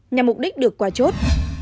nhằm mục đích được qua chốt